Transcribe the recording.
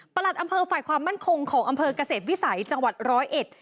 ประหลัดอำเภอไฟความมั่นคงของอำเภอกเกษตรวิสัยจังหวัด๑๐๑